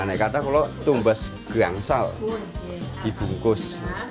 nah ini kalau diangkat ke angsal dibungkus